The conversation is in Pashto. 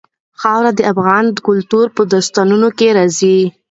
خاوره د افغان کلتور په داستانونو کې راځي.